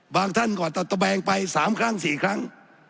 ท่านก็ตัดตะแบงไป๓ครั้ง๔ครั้ง